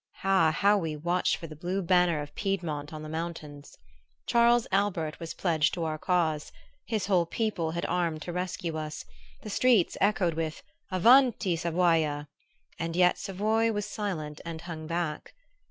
Ah, how we watched for the blue banner of Piedmont on the mountains! Charles Albert was pledged to our cause; his whole people had armed to rescue us, the streets echoed with avanti, Savoia! and yet Savoy was silent and hung back.